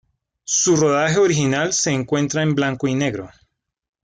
Su rodaje original se encuentra en blanco y negro.